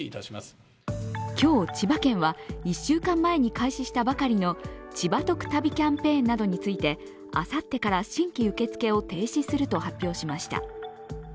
今日、千葉県は１週間前に開始したばかりの千葉とく旅キャンペーンなどについて、あさってから新規受付を停止すると発表しました。